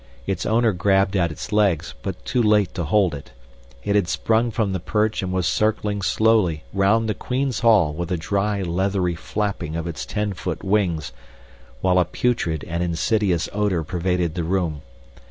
Its owner grabbed at its legs, but too late to hold it. It had sprung from the perch and was circling slowly round the Queen's Hall with a dry, leathery flapping of its ten foot wings, while a putrid and insidious odor pervaded the room.